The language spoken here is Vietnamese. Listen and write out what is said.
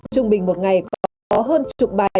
trung bình một ngày có hơn chục bài